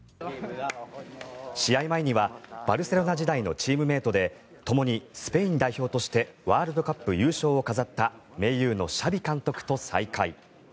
試合前にはバルセロナ時代のチームメートでともにスペイン代表としてワールドカップ優勝を飾った盟友のシャビ監督と再会。